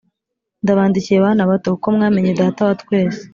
Ndabandikiye bana bato, kuko mwamenye Data wa twese.